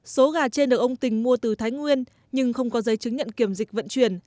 số gà trên được ông tình mua từ thái nguyên nhưng không có giấy chứng nhận kiểm dịch vận chuyển